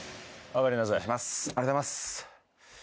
ありがとうございます。